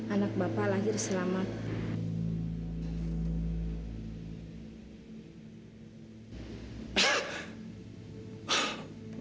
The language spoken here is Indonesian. anak bapak lahir selamat